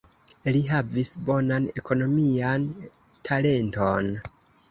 Li havis bonan ekonomian talenton.